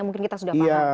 mungkin kita sudah paham